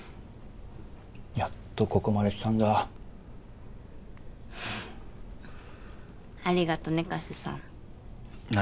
やっとここまで来たんだありがとね加瀬さん何？